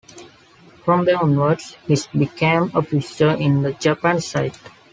From there onwards he became a fixture in the Japan side.